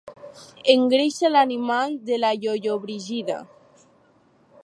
Engreixa l'animal de la Llollobrigida.